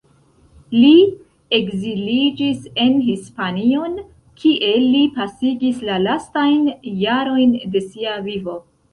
Li ekziliĝis en Hispanion, kie li pasigis la lastajn jarojn de sia vivo.